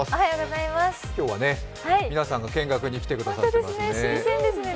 今日はね、皆さんが見学に来てくださっていますね。